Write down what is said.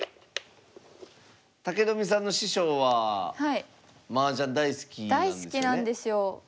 武富さんの師匠はマージャン大好きなんですよね？